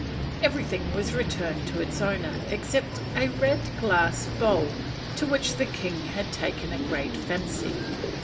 Everything was returned to its owner, excepting a red glass bowl to which the king had taken a great fancy.